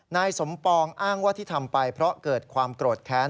นายสมปองอ้างว่าที่ทำไปเพราะเกิดความโกรธแค้น